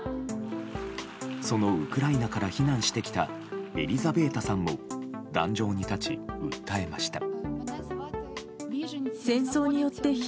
そのウクライナから避難してきたエリザベータさんも壇上に立ち、訴えました。